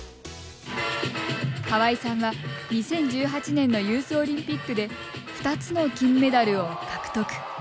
河合さんは２０１８年のユースオリンピックで２つの金メダルを獲得。